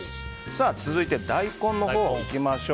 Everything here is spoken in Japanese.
続いて大根のほうにいきましょう。